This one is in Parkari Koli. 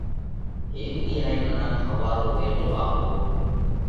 هيڪ ۮِي هائي منک ۿوار رو ويلو آپرو